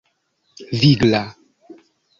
vigla